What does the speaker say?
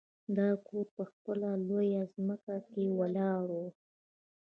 دا کور په خپله لویه ځمکه کې ولاړ و